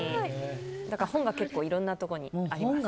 本が結構いろんなところにあります。